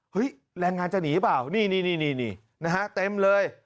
เห้ยแรงงานจะหนีหรือเปล่านี่นะฮะเต็มเลย